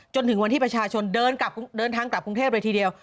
จนถึงวันที่ประชาชนเดินทางกลับกรุงเทพเลยทีเดียว